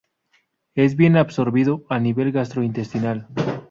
Es bien absorbido a nivel gastrointestinal.